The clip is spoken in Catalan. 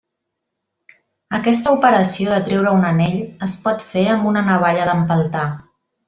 Aquesta operació de treure un anell es pot fer amb una navalla d'empeltar.